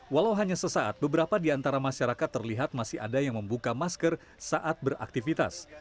walau hanya sesaat beberapa di antara masyarakat terlihat masih ada yang membuka masker saat beraktivitas